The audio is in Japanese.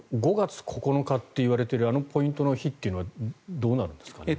５月９日といわれているあのポイントの日というのはどうなるんですか？